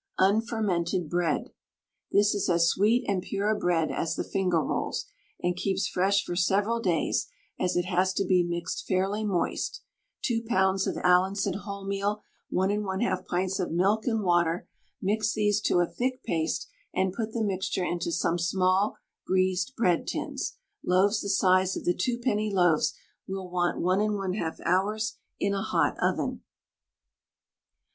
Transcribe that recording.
UNFERMENTED BREAD. This is as sweet and pure a bread as the finger rolls, and keeps fresh for several days, as it has to be mixed fairly moist. 2 lbs. of Allinson wholemeal, 1 1/2 pints of milk and water; mix these to a thick paste, and put the mixture into some small greased bread tins. Loaves the size of the twopenny loaves will want 1 1/2 hours in a hot oven.